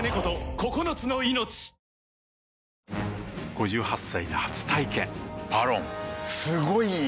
５８歳で初体験「ＶＡＲＯＮ」すごい良い！